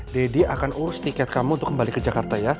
deddy akan urus tiket kamu untuk kembali ke jakarta ya